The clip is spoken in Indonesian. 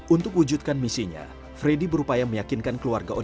untuk wujudkan misinya freddy berupaya meyakinkan keluarga odgj